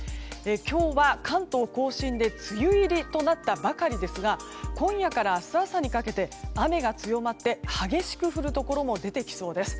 今日は関東・甲信で梅雨入りとなったばかりですが今夜から明日朝にかけて雨が強まって激しく降るところも出てきそうです。